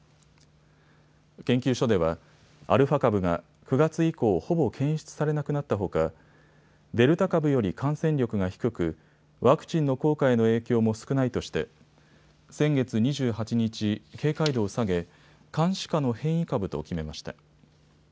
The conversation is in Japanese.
研究所ではアルファ株が９月以降、ほぼ検出されなくなったほかデルタ株より感染力が低く、ワクチンの効果への影響も少ないとして先月２８日、警戒度を下げ監視下の変異株と決めました。